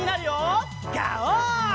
ガオー！